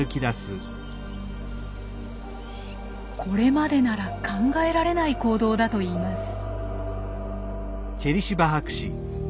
これまでなら考えられない行動だといいます。